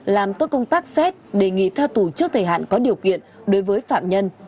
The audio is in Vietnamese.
làm tốt công tác xét đề nghị tha tù trước thời hạn có điều kiện đối với phạm nhân